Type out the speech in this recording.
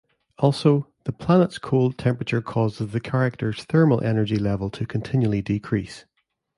Also, the planet's cold temperature causes the characters' thermal energy level to continually decrease.